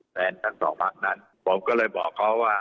แฟนทั้งสองพักนั้นผมก็เลยบอกเขาว่า